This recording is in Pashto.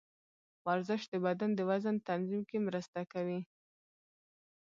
ورزش د بدن د وزن تنظیم کې مرسته کوي.